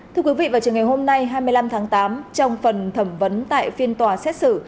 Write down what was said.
thưa quý vị vào trường ngày hôm nay hai mươi năm tháng tám trong phần thẩm vấn tại phiên tòa xét xử